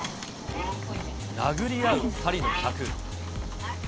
殴り合う２人の客。